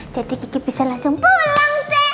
jadi kiki bisa langsung pulang seh